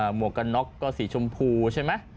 หวกกันน็อกก็สีชมพูใช่ไหม